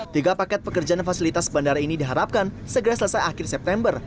tiga paket pekerjaan dan fasilitas bandara ini diharapkan segera selesai akhir september